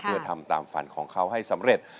เพื่อทำตามฝันของเขาให้สำเร็จ